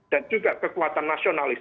dan juga kekuatan nasionalis